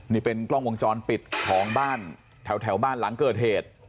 นี่เป็นกล้องวงจรปิดของบ้านแถวบ้านหลังเกิดเหตุ